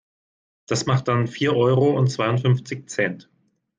Das macht dann vier Euro und zweiundfünfzig Cent.